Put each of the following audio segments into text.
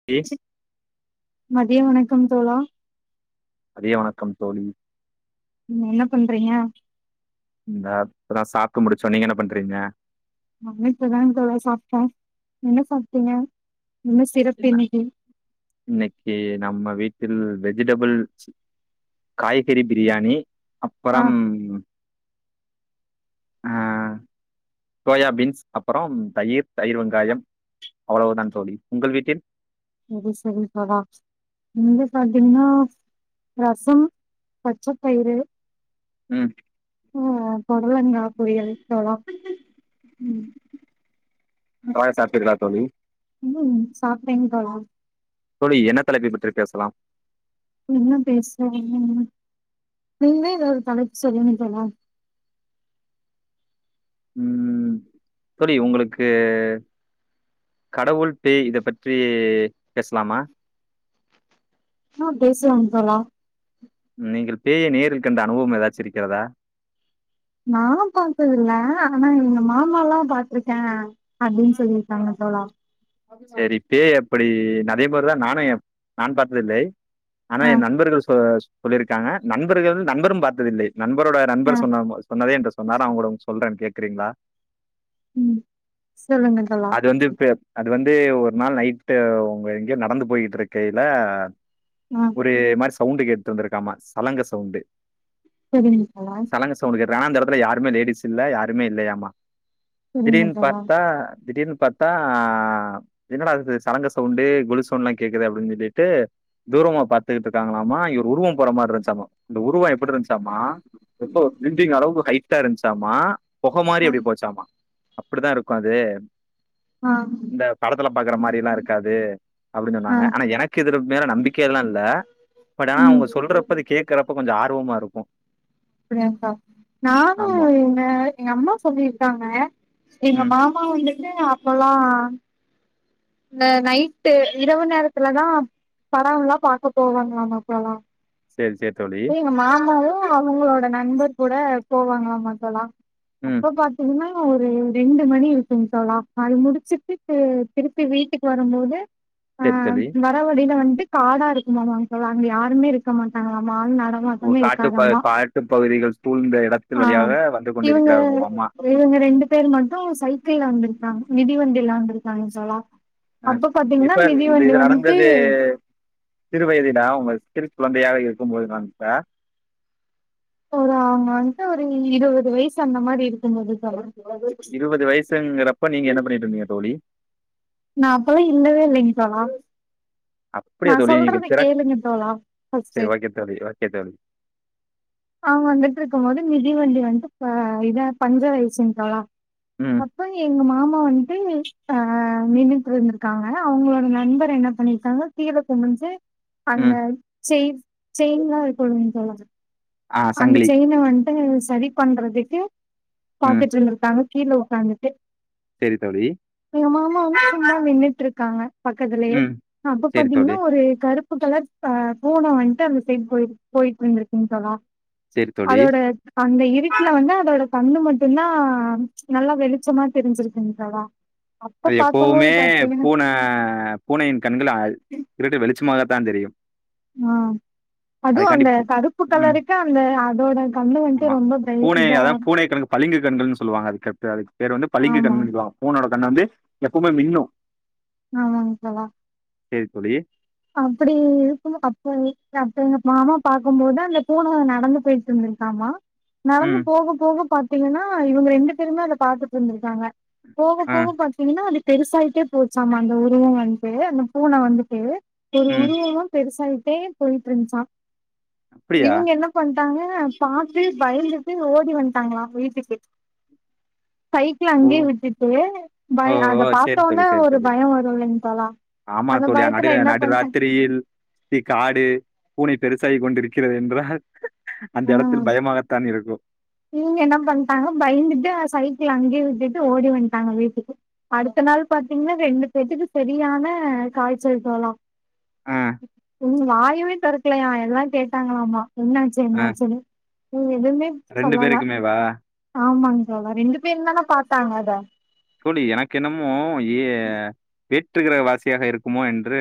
ஏ மதிய வணக்கம் தோழா மதிய வணக்கம் தோழி ம் என்ன பண்றைங்க இங்க இப்பதா சாப்ட்டு முடிச்சோ நீங்க என்ன பண்றீங்க நானு இப்ப தா தோழா சாப்ட்டே என்ன சாப்ட்டீங்க என்ன சிறப்பு இன்னைக்கி இன்னைக்கி நம்ம வீட்டில் வெஜிடபிள் சி காய்கறி பிரியாணி ஆ அப்பறம் ஆ சோயா பீன்ஸ் அப்பறோம் தயிர் தயிர் வெங்காயம் அவளவ்தான் தோழி உங்கள் வீட்டில் சரி சரி தோழா இங்க பாத்தீங்ன்னா ரசம், பச்ச பயிறு, ம் ம் பொடலங்கா பொரியல் தோழா நன்றாக சாப்ட்டீர்களா தோழி ம் சாப்ட்டேன் தோழா தோழி என்ன தலைப்பை பற்றி பேஸ்லாம் என்ன பேஸ்லா ம் நீங்ளே எதாவ்து தலைப் சொல்லுங்க தோழா ம் தோழி உங்களுக்கு கடவுள், பேய் இத பற்றி பேஸ்லாமா ஆ பேஸ்லாம் தோழா நீங்கள் பேய நேரில் கண்ட அனுபவ்ம் எதாச்சு இருக்கிறதா நா பாத்ததுல்ல ஆனா எங்க மாமால்லா பாத்திருக்கே அப்டின்னு சொல்லியிருக்காங்க தோழா சரி பேய் எப்டி அதேமாரிதா நானு நான் பாத்ததில்லை ஆனா ஆ என் நண்பர்கள் சொ சொல்லியிருக்காங்க நண்பர்கள் நண்பரும் பாத்ததில்லை நண்பரோட ஆ நண்பர் சொன்ன சொன்னதே என்று சொன்னார் ந ஒங்களிடம் சொல்ற கேக்குறீங்களா ம் சொல்லுங்கள் தோழா இது வந்து பே அது வந்து ஒரு நாள் நைட்டு் உங்க எங்கயோ நடந்து போயிட்ருக்கையில ஆ ஒரு மாரி சவுண்டு கேட்ருந்துருக்காமா சலங்க சவுண்டு சரிங்க தோழா சலங்க சவுண்டு கேட்டது ஆனா அந்த எடத்துல யாருமே லேடிஸ் இல்ல யாருமே இல்லையாமா சரிங்க திடீர்ன்னு பா தோழா ஆ திடீர்னு பாத்தா என்னடா இது சலங்க சவுண்டு கொலுசு சவுண்டல்லா கேக்குது அப்டிஞ்சொல்லிட்டு தூரமா பாத்துக்கிட்டு இருக்காங்களாமா இவுர் உருவம் போற மாரி இருன்ச்சாமா இந்த உருவம் எப்டி இருன்ச்சாமா ரொம்போ பில்டிங் அளவுக்கு ஹைட்டா இருன்ச்சாமா பொக மாரி ஆ அப்டி போச்சாமா அப்டிதா இருக்கு அது ஆ இந்த படத்துல பாக்கற மாரில்லா இருக்காது அப்டின் சொன்னாங்க ஆனா எனக் கிதுல மேல நம்பிக்கைல்லா இல்ல பட் ஆனா ம் அவுங்க சொல்றப்ப அத கேக் கறப்ப கொஞ்ச ஆர்வமா இருக்கு [unintelligible] க்கா நானு எங்க எங்க அம்மா சொல்லியிருக்காங்க எங்க ம். மா மா வந்துட்டு அப்பல்லா இந்த நைட்டு இரவு நேரத்துலதா படல்லா பாக்க போவாங்களாமா அப்போல்லா சேரி சேரி தோழி எங்க மாமாவு அவங்களோட நண்பர் கூட போவாங்களாமா தோழா ம். அப்ப பாத் தோனா ஒரு ரெண்டு மணி இருக்கு தோழா அது முடிச்சுட்டு திருப்பி வீட்டுக்கு வரம்போது ஆ சரி தோழி. வர வழியில வந்துட்டு காடா இருக்குமாமா தோழா அங்க யாருமே இருக்க மாட்டாங்களா ஆள் ஓ நடமாட்டமே காட்டு ப இருக்காதாமா காட்டு பகுதிகள் சூழ்ந்த இடத்தின் ஆ வழியாக வந்து இவங்க கொண்டிருக்கிறார் உங்க மாமா. இவங்க ரெண்டு பேர் மட்டு சைக்கிள்ல வந்திருக்காங்க மிதிண்டில வந்திருக்காங்க தோழா அ அப்ப பாத்தீங்கன்னா இப்ப இது மிதிவண்டி இது வந்து நடந்தது சிறு வயதுடா உங்க சிறு குழந்தையாக இருக்கும் போது [unintelligible] ஒரு அவங்க வந்துட்டு ஒரு இருவது வயசு அந்த மாரி இருக்கும்போது தோழா இருவது வயசுங்கறப்ப நீங்க என்ன பண்ணிட்டு இருந்தீங்க தோழி நா அப்பல்லா இல்லவே இல்லைங் தோழா நா அப்டியா தோழி நீங்க சொல்றத திற கேளுங்க தோழா ஃபர்ஸ்ட்டு சரி ஓகே தோழி ஓகே தோழி அவங்க வந்துட்டு இருக்கும் போது மிதிவண்டி வந்துட்டு ப இத பஞ்சர் ஆய்ருச்சுங் தோழா ம் அப்போ எங்க மாமா வந்துட்டு அ நின்னுட்டு இருந்திருக்காங்க அவங்களோட நண்பர் என்ன பண்ணியிருக்காங்க கீழ குனுஞ்சு அந்த ம். செயின் செயின் தா இழுக்கனு தோழா ஆ அந்த சங்கிலி. செயின வன்ட்டு சரி பண்றதுக்கு ம். பாத்துட்டு இருந்துருக்காங்க கீழ உக்காந்துட்டு சரி தோழி எங்க மாமா வந்து சும்மா நின்னுட்ருக்காங்க பக்கத்துலேயே ம். அப்ப சரி தோழி, பாத்தீங்கன்னா ஒரு கருப் அப்பல்ல அ பூன வன்ட்டு அந்த சைட் போய் போய்ட்ருந்துருகுங் தோழா சரி தோழி. அதோட அந்த இருட்ல வந்து அதோட கண்ணு மட்டுதா நல்லா வெளிச்சமா தெரிஞ்சிருக்குங்‌ தோழா அப்ப அது பாக்கும்போது எப்பவுமே பாத்தீங்கன்னா பூன பூனையின் கண்கள் இருட்டு வெளிச்சமாகத்தாதெரியு ஆ அதுவு அந்த பூ கருப்பு ம். கலருக்கு அந்த அதோட கண்ணோ வந்து ஆமா. ரொம்ப பூனை பெனிபிட் ஆ அதான் பூனை கண்ணுக்கு பளிங்கு கண்கள்னு சொல்லுவாங்க அது கே அதுக்கு பேர் வந்து பளிங்கு ஆமா கண்ண்ணு சொல்லுவாங்க மூனோட கண்ண வந்து எப்பவுமே மின்னு ஆமா [unintelligible] செரி தோழி அப்டி இருக்கு அப்போ அப்ப எங்க மாமா பாக்கும்போது அந்த பூன நடந்து போயிட்டு இருந்திச்சாமா நடந்து ம், போக போக பாத்தீங்கன்னா இவங்க ரெண்டு பேருமே அத பாத்துட்டு இருந்திருக்காங்க போக ஆ, போக பத்தீங்கன்னா அது பெருசாயிட்டே போச்சாம அந்த உருவோ வந்து அந்த பூன வந்துட்டு ஒரு ம். உருவமு பெருசாயிட்டே போயிட்டு இருந்துச்சா அப்படியா? இவங்க என்ன பட்டாங்க பாத்து பயந்துட்டு ஓடி வந்துட்டாங்களா வீட்டுக்கு சைக்கிள் ஓ! அங்கேயே விட்டுட்டு ஓ! பய ஓ! அத சரி தோழி, பாத்தோனே சரி ஒரு தோழி. பயம் வரும் இல்லைங்கலா தோழா ஆமா அந்த தோழி பயத்துல என்ன [unintelligible] பண்ட்டே ராத்திரியில் சி காடு பூனை பெருசாகி கொண்டிருக்கிறது என்றால் அந்த இடத்தில் பயமாகத்தான் இருக்கும் நீங்க என்ன பண்டாங்க பயந்துட்டு சைக்கிள் அங்கேயே விட்டுட்டு ஓடி வந்துட்டாங்க வீட்டுக்கு அடுத்த நாள் பாத்தீங்கன்னா ரெண்டு பேத்துக்கு சரியான காய்ச்சல் சொலாம் ஆ, உ வாயவே தெருக்கலையா எல்லா கேட்டாங்களாமா என்னாச்சு என்னாச்சுனு உ எதுவுமே ரெண்டு பேருக்குமேவ ஆமாங்க தோழா ரெண்டு பேரும்ந்தான பாத்தாங்க அத தோழி எனக்கு என்னமோ ஏ வேற்றுகிற வாசியாக இருக்குமோ என்று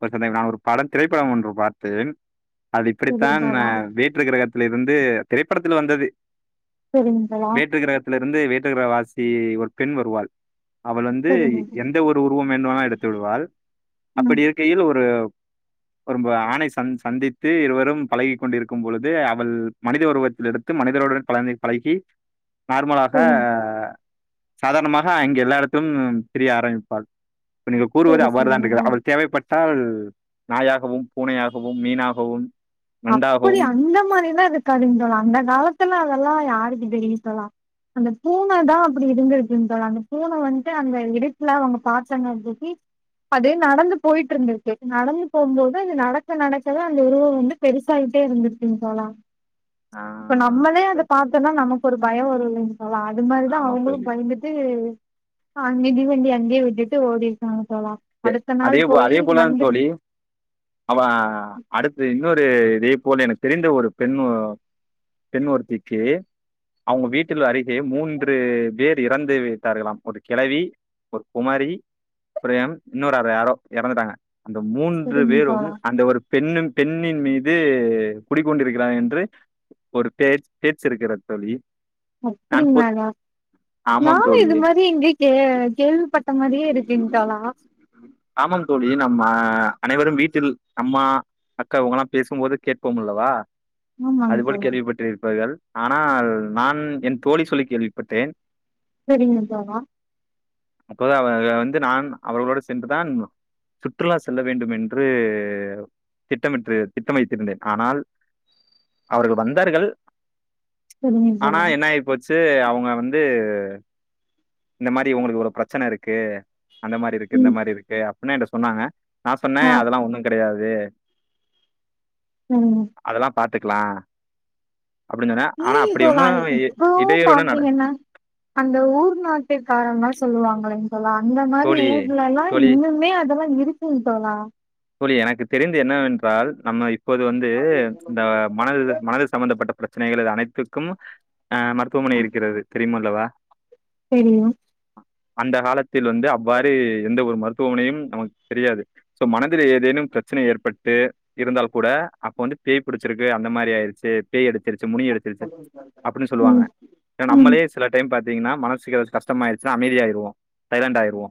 ஒரு சந்த நா ஒரு படம் திரைப்படம் ஒன்று பார்த்தேன் அது செரிங் இப்படித்தான் தோழா வேற்று கிரகத்தல இருந்து திரைப்படத்துல வந்தது செரிங் தோழா வேற்றுக்கிரகத்தில இருந்து வேட்டுக்கிரகவாசி ஒரு பெண் வருவாள் அவள் வந்து செரிங்க எந்த ஒரு உருவம் வேண்டுனா எடுத்து விடுவாள் அப்படி ம் இருக்கையில் ஒரு ஒரு ஆன்ணை ச சந்தித்து இருவரும் பழகி கொண்டிருக்கும் பொழுது அவள் மனித உருவத்தில் எடுத்து மனிதர்களுடன் பழ பழகி நார்மலாக செரி சாதாரணமாக அங்க எல்லா இடத்தும் பிரிய ஆரம்பிப்பாள் இப்ப நீங்க கூறுவது செரி அவ்வாறு தான் சொல்லுங்க இருக்கு அவள் தேவைப்பட்ட சால் நாயாகவும் பூனையாகவும் மீனாகவும் அப்படி நண்டாகவும் அந்த மாரிலா இருக்காதுங்க தோழா அந்த காலத்துல அதெல்லா யாருக்கு தெரியு தோழா அந்த பூன தா அப்படி இருந்திருக்கு தோழா அந்த பூன வந்து அந்த இருட்ல அவங்க பாத்தனாயகி அது நடந்து போயிட்டு இருந்திச்சு நடந்து போகும்போது அது நடக்க நடக்கதா அந்த உருவோ வந்து பெருசாகிட்டே இருந்திருக்குங்க தோழா ஆ இப்ப நம்மளே அத சரி. பாத்தோம்ன்னா நமக்கு ஒரு பயம் வரு இல்லைங்களா அது மாரிதா ஆமா அவங்களு தோழி. பயந்துட் இது அங் மிதிவண்டி அங்கேயே விட்டுட்டு ஓடிருக்காங்க தோழா ப் அடுத்த நாள் அதே போ போய் அதே போல மந்திரிச்சிங்க தோழி அவ அடுத்து இன்னொரு இதே போல எனக்கு தெரிந்த ஒரு பெண் ஒ பெண் ஒருத்திக்கு அவங்க வீட்டில் அருகே மூன்று பேர் இறந்து விட்டார்கலாம் ஒரு கிளவி ஒரு குமரி பிரம் இன்னொரு ஆள் யாரோ இறந்துட்டாங்க அந்த மூன்று பேரும் தோழா அந்த ஒரு பெண்ணும் பெண்ணின் மீது குடிக்கொண்டிருக்கிறா என்று ஒரு பே பேச்சு இருக்கிறது தோழி நான் பொ அப்டிங்களான ஆமாம் நானு தோழி இது மாதிரி எங்கே கே கேள்விப்பட்ட மாதிரியே இருக்கிங் தோழா ஆமாம் தோழி நம்ம அனைவரும் வீட்டில் அம்மா அக்கா உங்கல்லா பேசும்போது கேட்போம் அல்லவா ஆமாங் அது போல தோழா கேள்விப்பட்டிருப்பீர்கள் இருப்பார்கள் ஆனால் நான் என் தோழி சொல்லி கேள்விப்பட்டேன் சரிங்க தோழா அப்போது அவ வந்து நான் அவர்களோடு சென்றுதான் சுற்றுலா செல்ல வேண்டும் என்று திட்டமிட்டு திட்டம் வைத்திருந்தேன் ஆனால் அவர்கள் வந்தார்கள் செரிங்க ஆனா தோழா என்னாயிப்போச்சு ச்சு அவங்க வந்து இந்த மாரி உங்களுக்கு இவ்ளே பிரச்சன இருக்கு அந்த மாரி இருக்கு இந்த ம் மாரி இருக்கு அப்டின்னு என்ட சொன்னாங்க நா சொன்னே ஆ அதெல்லா ஒன்னும் கெடையாது ம் அதெல்லா பாத்துக்கலா அப்டின்சொனே ஆனா இல்லைங்க அப்படி தோழா ஒன்னும் இ இப்போ இடையூறு ஒன்னும் நட பாத்தீங்கன்னா அந்த ஊர் நாட்ட காரங்கலாம் சொல்லுவாங்களே தோழா அந்த மாரி தோழி ஊருலலா தோழி இன்னுமே அதெல்லா இருக்கும் தோழா தோழி எனக்கு தெரிந்து என்னவென்றால் நம்ம இப்போது வந்து இந்த மனது மனது சம்பந்தப்பட்ட பிரச்ச ச்சனைகள் அனைத்துக்கும் ஆ மருத்துவமனை இருக்கிறது தெரியுமல்லவா தெரியும் அந்த காலத்தில் வந்து அவ்வாறு எந்த ஒரு மருத்துவனையும் நமக்கு தெரியாது சோ மனதில் ஏதேனும் பிரச்சனை ஏற்பட்டு இருந்தால் கூட அப்ப வந்து பேய் பிடிச்சிருக்கு அந்த மாரி ஆயிருச்சு பேய் அடிச்சிருச்சு முனி அடிச்சிருச்சு அப்டின்னு சொல்லுவாங்க ம் என ம் நம்மளே சில டைம் பாத்தீங்கின்னா மனசு ஏன கஷ்டம் ஆயிடுச்சுன்னா அமைதியாயிருவோ சைலண்ட் ஆயிருவோ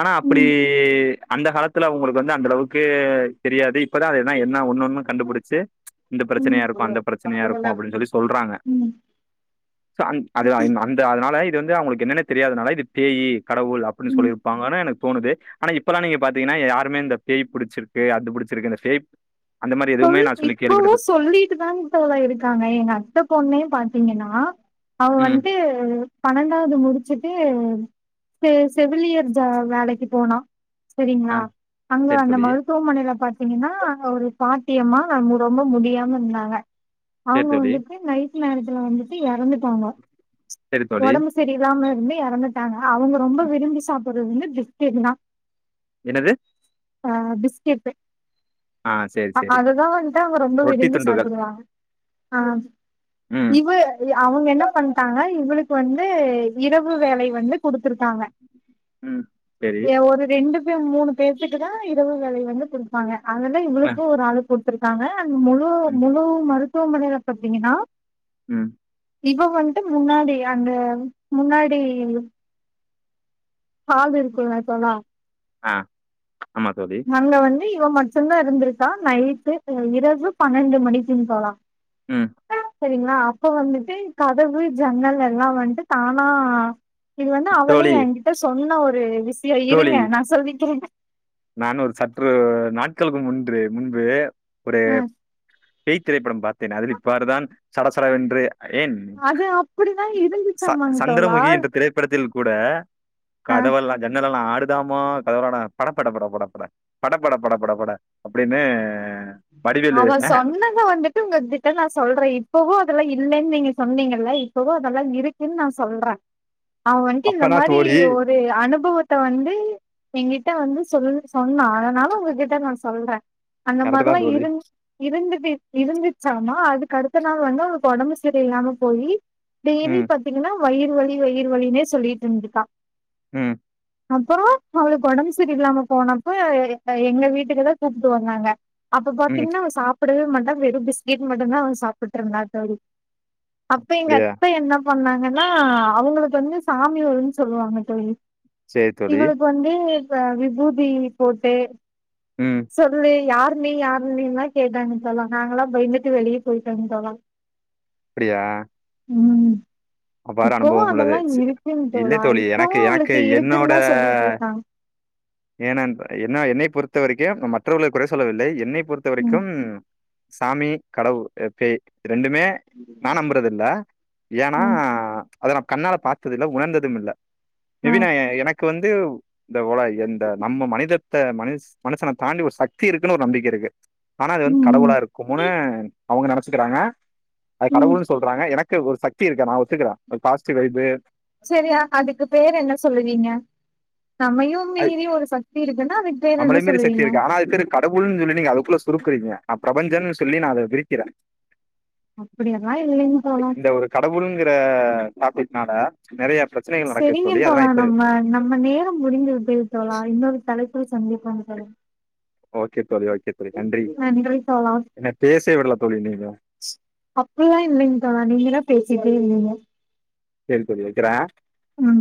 ஆனா அப்படி ம் அந்த காலத்து தில்ல அவங்களுக்கு வந்து அந்த அளவுக்கு தெரியாது இப்பதா அதுன என ஒன்ன ஒன்னு கண்டுபிடிச்சு இந்த ம் பிரச்சனையா இருக்கும் அந்த பிரச்சனையா இருக்கும் அப்படின்னு சொல்லி சொல்றாங்க ம் சோ அந் அது அந்த அதனால இது வந்து அவங்களுக்கு என்னென்ன தெரியாததுனால இது பேயி கடவுள் அப்டின்னு ம் சொல்லிருப்பாங்கலோன்னு எனக்கு தோணுது ஆனா இப்ப எல்லா நீங்க பாத்தீங்கன்னா யாருமே இந்த பேய் புடிச்சிருக்குது அது புடிச்சிருக்கு இந்த பேய் அந்த மாதிரி எதுவுமே சோல்லுங் நான் சொல்லி கேள்விப்பட்டது இப்பவும் சொல்லிட்டு தாங் தோழா இருக்காங்க எங்க அத்த பொண்ணே பாத்தீங்கன்னா அவ ம் வந்துட்டு பன்னெண்டாவது முடிச்சுட்டு செ செவிலியர் ஜா வேலைக்கு போனா ஆ சரிங்கிளா அங்க சரி அந்த தோழி மருத்துவமனையில பாத்தீங்கன்னா அங்க ஒரு பாட்டியம்மா ரொம்ப முடியாம இருந்தாங்க சரி அவங்க தோழி வந்துட்டு நைட் ட்டு நேரத்துல வந்துட்டு எறந்துட்டாங்க சரி தோழி ஒடம்பு சரியில்லாம இருந்து எறந்துட்டாங்க அவங்க ரொம்ப ம், விரும்பி சாப்பிடறது வந்து பிஸ்கட் தா என்னது ஆ பிஸ்கெட் ஆ சரி சரி அததா வந்துட்டு அவங்க ரொம்ப ரொட்டி விரும்பி துண்டுகள் சாப்பிடுவாங்க ஆ ம் இவ அவங்க என்ன பண்ணிட்டாங்க இவளுக்கு வந்து இரவு வேலை வந்து குடுத்துருக்காங்க ம் சரி ஒரு ரெண்டு மூணு பேத்துக்கு தா இரவு வேலை வந்து குடுப்பாங்க அதனால அ இவளுக்கும் ஒரு ஆளுக்கு த்திருக்காங்க அந் முழு ம் முழு மருத்துவமனைல பாத்தீங்கன்னா ம் இவ வந்துட்டு முன்னாடி அந்த முன்னாடி சார்ஜு இருக்குங்களா தோழா ஆ ஆமா தோழி அங்க வந்து இவ மட்டுதா இருந்திருக்கா நைட்டு அ இரவு பன்னெண்டு மணிக்கு தோழா ம் அ செரிங்களா அப்ப வந்துட்டு கதவு ஜன்னல் எல்லா வந்ட்டு தானா இது வந்து அவளே தோழி எங்கிட்ட சொன்ன ஒரு விஷயோ இருங்க தோழி நா சொல்லிக்கிறே நான் ஒரு சற்று நாட்களுக்கு முன்று முன்பு ஒரு அ பேய் திரைப்படம் பார்த்தேன் அதில் இவ்வாறு தான் சடசட வென்று ஏன் அது அப்படிதா ச இருந்துச்சாமாங் தோழா சந்திரமுகி என்ற திரை படத்தில் கூட ஆ கதவெல்லா ஜன்னல் எல்லா ஆடுதாமோ கதவுளான பட படப்பட படபட படப்பட பட படபட அப்டின்னு அவ சொன்ன து வந்துட்டு உங்க கிட்ட நா சொல்றே இப்பவு அதெல்லா இல்லன்னு நீங்க சொன்னீங்கள இப்பவு அதெல்லா இருக் குன்னு நா சொல்றே அவ வந்ட்டு இந்த அப்பனா மாரி தோழி ஒரு அனுபவத்தை வந்து என்கிட்ட வந்து சொல் சொன்னா அதனால உங்ககிட்ட நா சொல்றே கரெட்டு தா தோழி இருந்திது இருந்துச்சாமா அதுக்கடுத்த நாள் வந்து அவளுக்கு ஒடம்பு சரி இல்லாம போயி டெய்லி ம் பாத்தீங்கன்னா வயிறு வலி வயிறு வலினே சொல்லிட்டு இருந்துக்கா ம் அப்புறோ அவளுக்கு ஒடம்பு சரியில்லாம போனப்ப எ எங்க வீட்டுக்குதா கூப்புட்டு வந்தாங்க அப்ப ம் பாத்தீங்கன்னா அவ சாப்படவே மட்டா வெறு பிஸ்கட் மட்டும்தா அவ சாப்பிட்டு இருந்தா தோழி அப்ப எங்க அப்படியா அத்த என்ன பண்ணாங்கன்னா அவங்களுக்கு வந்து சாமி வருன்னு சொல்லுவாங்க தோழி சரி தோழி இவளுக்கு வந்து இப்ப விபூதி போட்டு ம் சொல்லு யாரு நீ யாரு நீல்லா கேட்டாங்க தோழா நாங்கல்லா பயந்துட்டு வெளியே போய்ட்டாங் தோழா [inaudible] அப்டியா ம் இப்பவு அனுபவம் உள்ளது. அதெல்லா சி இருக்குங் இல்லை தோழா தோழி. இப்பவு எனக்கு எனக்கு அவளுக்கு இருக்குன்னு தா சொல்லிட்டு இருக்கா ஏ நண்ப என்ன என்னைய பொறுத்த வரைக்கும் மற்றவர்க குறை சொல்லவில்லை என்னை பொறுத்த ம் வரைக்கும் சாமி கடவுள் பேய் ரெண்டுமே நா நம்புறது இல்ல நா ம் அத நா கண்ணால பாத்தது இல்ல உணர்ந்ததும் இல்ல மே ஆ பி நா எனக்கு வந்து இத போல எந்த நம்ம மனிதத்தை மனுஷன் மனுஷனை தாண்டி ஒரு சக்தி இருக்குன்னு ஒரு நம்பிக்கை இருக்கு ஆனா அது வந்து ம் ம் கடவுளா இருக்குமோனு அவங்க நெனைச்சுக்கிறாங்க அது ம் கடவுள்ன்னு சொல் றாங்க எனக்கு ஒரு சக்தி இருக்க நா ஒத்துகறே ஒரு பாஸ்ட் வைபு சரியா அதுக்கு பேர் என்ன சொல்லுவீங்க நம்மையும் அது மீறி ஒரு சக்தி இருக்குன்னா அதுக்கு பேரு என்ன சொல்லுவீங்க கடவுள்ன்னனு சொல்லி நீங்க அதுக்குள்ள சுருக்குறீங்க நா பிரபஞ்சோன்னு சொல்லி நா அத விரிக்கிறே அப்டியெல்லா இல்லைங்க தோழா இந்த ஒரு கடவுள்ங்கிற டாபிக்னால நெறைய பேர் செரிங்க தோழா நம்ம நம்ம நேரோ முடிந்து விட்டது தோழா இன்னொரு தலைப்புல சந்திப்போ தோழா ஓகே தோழி ஓகே தோழி நன்றி தோழா என்ன பேசவே விடல தோழி நீங்க அப்டில்லா இல்லைங் தோழா நீங்க தா பேசிட்டே இருந்திங்க சேரி தோழி வக்கறே ம்